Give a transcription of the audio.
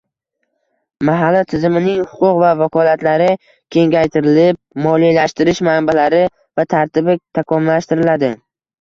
Mahalla tizimining huquq va vakolatlari kengaytirilib, moliyalashtirish manbalari va tartibi takomillashtiriladi.